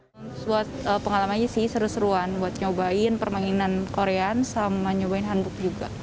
buat pengalaman aja sih seru seruan buat nyobain permainan korean sama nyobain hanbok juga